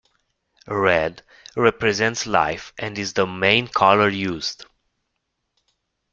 Red represents life and is the main color used.